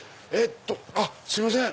あっすいません